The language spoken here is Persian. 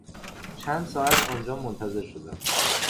چند ساعت آنجا منتظر شدم.